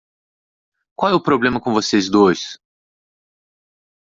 Qual é o problema com vocês dois?